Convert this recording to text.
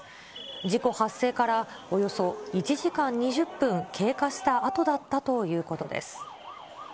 事故発生からおよそ１時間２０分経過したあとだったということです。